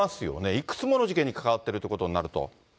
いくつもの事件に関わってるということになると。